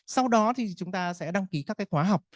sau đó thì chúng ta sẽ đăng ký các khóa học